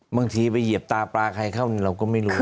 บางทีไปเหยียบตาปลาใครเข้าเราก็ไม่รู้